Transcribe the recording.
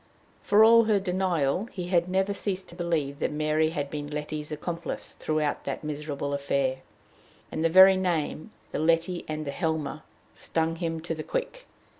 For all her denial, he had never ceased to believe that Mary had been Letty's accomplice throughout that miserable affair; and the very name the Letty and the Helmer stung him to the quick.